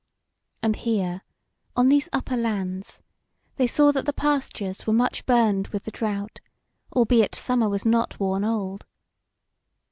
And here on these upper lands they saw that the pastures were much burned with the drought, albeit summer was not worn old.